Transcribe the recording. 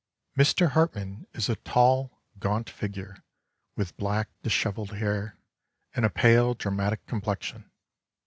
'' Mr. Hartmann is a tall, gaunt figure with black disheveled hair, and a pale, dramatic complexion.